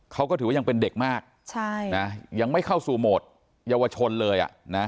เขาก็ถือว่ายังเป็นเด็กมากยังไม่เข้าสู่โหมดเยาวชนเลยอ่ะนะ